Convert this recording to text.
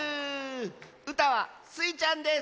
うたはスイちゃんです！